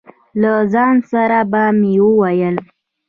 له ځان سره به مې وویل.